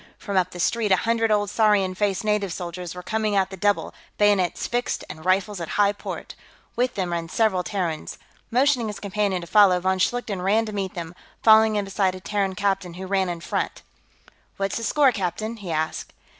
From up the street, a hundred odd saurian faced native soldiers were coming at the double, bayonets fixed and rifles at high port; with them ran several Terrans. Motioning his companion to follow, von Schlichten ran to meet them, falling in beside a Terran captain who ran in front. "What's the score, captain?" he asked.